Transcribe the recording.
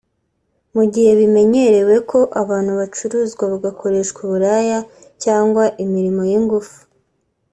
Mu gihe bimenyerewe ko abantu bacuruzwa bagakoreshwa uburaya cyangwa imirimo y’ingufu